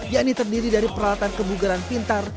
yang diterdiri dari peralatan kebugaran pintar